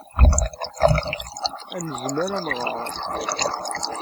Ad nezmer ad nɣer.